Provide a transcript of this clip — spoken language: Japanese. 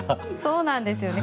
そうなんですよね。